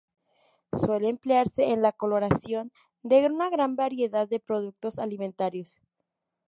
Suele emplearse en la coloración de una gran variedad de productos alimentarios.